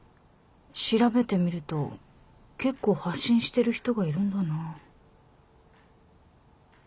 調べてみると結構発信してる人がいるんだなあ